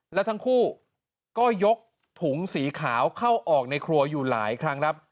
แล้วทั้งคู่ก็ยกถุงสีขาวเข้าออกในครัวอยู่หลายครั้งครับ